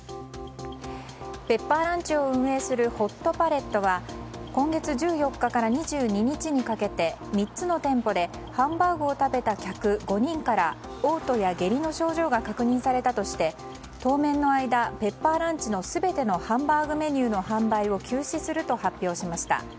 ペッパーランチを運営するホットパレットは今月１４日から２２日にかけて３つの店舗でハンバーグを食べた客５人から嘔吐や下痢の症状が確認されたとして当面の間、ペッパーランチの全てのハンバーグメニューの販売を休止すると発表しました。